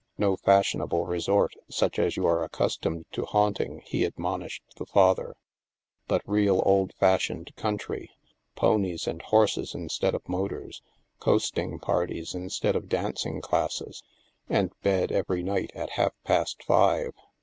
No fashionable resort, such as you are accustomed to haunting," he admonished the father, " but real old fashioned country. Ponies and horses instead of motors; coasting parties instead of dancing classes ; and bed every night at half past five.